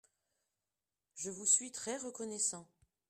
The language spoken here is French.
Je vous suis très reconnaissant.